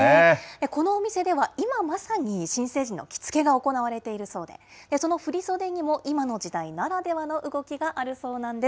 このお店では、今まさに新成人の着付けが行われているそうで、その振り袖にも今の時代ならではの動きがあるそうなんです。